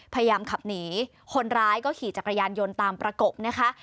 พยายามขับหนีคนร้ายก็ขี่จักรยานยนต์ตามประกบนะคะ